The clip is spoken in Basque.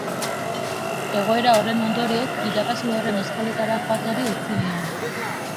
Egoera horren ondorioz, irakasle horren eskoletara joateari utzi zion.